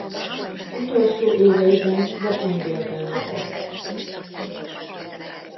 Utolsó éveiben Bakonybélben lakott.